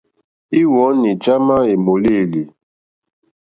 Íwɔ̌ní já má èmòlêlì.